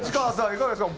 いかがですか？